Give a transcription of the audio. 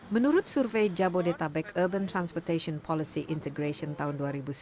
menurut survei jabodetabek urban transportation policy integration tahun dua ribu sembilan belas